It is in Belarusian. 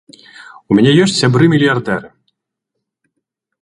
У мяне ёсць сябры мільярдэры.